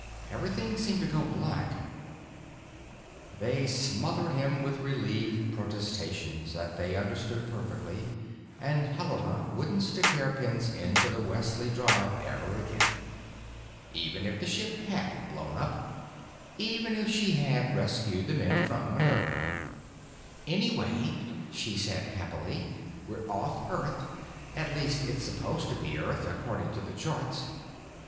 Everything seemed to go black——" They smothered him with relieved protestations that they understood perfectly and Helena wouldn't stick hairpins into the Wesley Drive ever again. Even if the ship hadn't blown up. Even if she had rescued the men from "Minerva." "Anyway," she said happily, "we're off Earth. At least, it's supposed to be Earth, according to the charts."